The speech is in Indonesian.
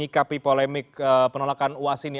ikapi polemik penolakan uas ini